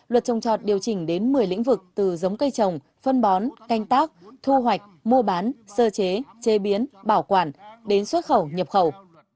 luật trồng trọt điều chỉnh đến một mươi lĩnh vực từ giống cây trồng phân bón canh tác thu hoạch mua bán sơ chế chế biến bảo quản đến xuất khẩu nhập khẩu